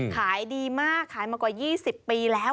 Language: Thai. ขายดีมากขายมากว่า๒๐ปีแล้ว